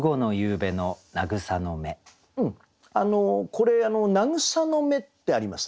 これ「名草の芽」ってありますね。